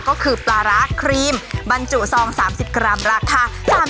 ก็คือปลาร้าครีมบรรจุซอง๓๐กรัมราคา